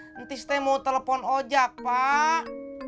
nanti saya mau telepon ojek pak